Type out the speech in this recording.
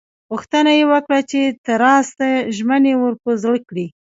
غوښتنه یې وکړه چې تزار ته ژمنې ور په زړه کړي.